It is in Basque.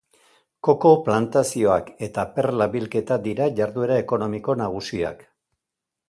Koko-plantazioak eta perla-bilketa dira jarduera ekonomiko nagusiak.